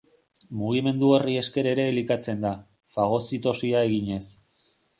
Mugimendu horri esker ere elikatzen da, fagozitosia eginez.